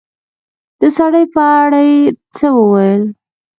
د سړي په اړه يې څه وويل